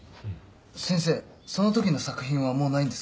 先生その時の作品はもうないんですか？